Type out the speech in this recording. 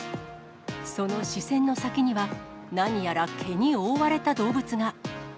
その視線の先には、何やら毛に覆われた動物が。